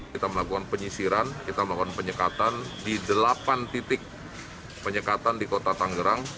kita melakukan penyisiran kita melakukan penyekatan di delapan titik penyekatan di kota tanggerang